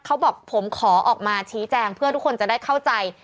เขาบอกผมขอออกมาชี้แจงเพื่อทุกคนจะได้เข้าใจ